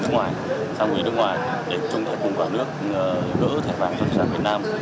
để chung thạch vùng quả nước gỡ thạch bảng cho trang bình việt nam